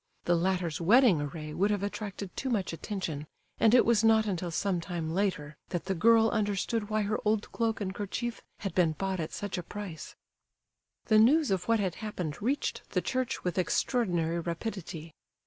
The latter's wedding array would have attracted too much attention, and it was not until some time later that the girl understood why her old cloak and kerchief had been bought at such a price. The news of what had happened reached the church with extraordinary rapidity.